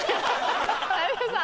有吉さん